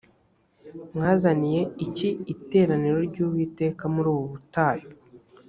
mwazaniye iki iteraniro ry’uwiteka muri ubu butayu?